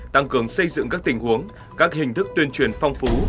tăng cường xây dựng các tình huống các hình thức tuyên truyền phong phú